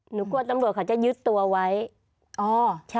หนูกลัวตำรวจเขาจะยึดตัวไว้อ๋อใช่